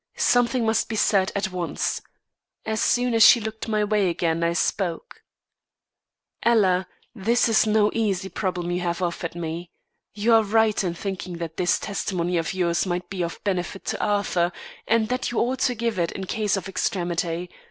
Something must be said at once. As soon as she looked my way again, I spoke: "Ella, this is no easy problem you have offered me. You are right in thinking that this testimony of yours might be of benefit to Arthur, and that you ought to give it in case of extremity.